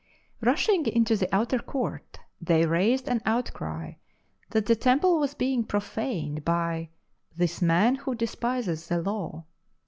Rushing into the outer court, they raised an outcry that the Temple was being profaned by " this man who despises the Law."